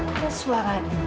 ada suara dia